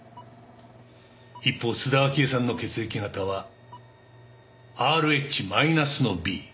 一方津田明江さんの血液型はＲＨマイナスのＢ。